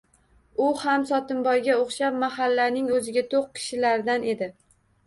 U ham Sotimboyga oʻxshab mahallaning oʻziga toʻq kishilaridan edi.